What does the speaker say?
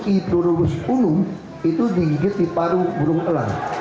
itu digigit di paru burung elang